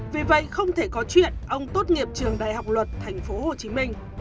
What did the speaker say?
vì vậy không thể có chuyện ông tốt nghiệp trường đại học luật thành phố hồ chí minh